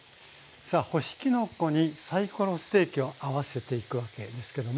さあ干しきのこにサイコロステーキを合わせていくわけですけども。